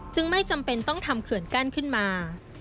ไม่จำเป็นต้องทำเขื่อนกั้นขึ้นมา